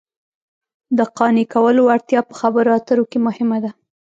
د قانع کولو وړتیا په خبرو اترو کې مهمه ده